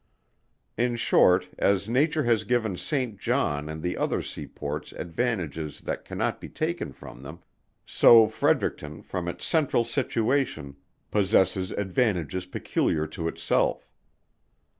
In short, as nature has given St. John and the other sea ports advantages that cannot be taken from them, so Fredericton, from its central situation, possesses advantages peculiar to itself.